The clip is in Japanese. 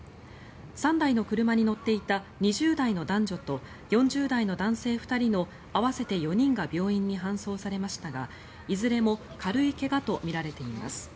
３台の車に乗っていた２０代の男女と４０代の男性２人の合わせて４人が病院に搬送されましたがいずれも軽い怪我とみられています。